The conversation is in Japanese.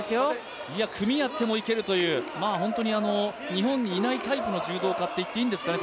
組み合ってもいけるという日本にいないタイプの柔道家といっていいんですかね